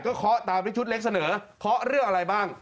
เคาะตามที่ชุดเล็กเสนอเคาะเรื่องอะไรบ้าง